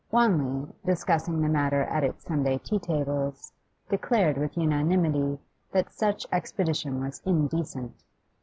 Wanley, discussing the matter at its Sunday tea tables, declared with unanimity that such expedition was indecent.